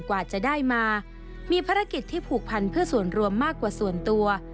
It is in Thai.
กว่าจะได้มามีภารกิจที่ผูกพันเพื่อส่วนรวมมากกว่าส่วนตัว